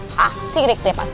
hah sirik deh pasti